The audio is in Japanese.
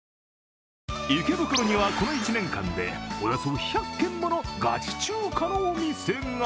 池袋にはこの１年間でおよそ１００軒ものガチ中華のお店が。